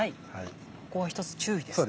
ここは一つ注意ですね。